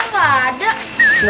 nggak ada juga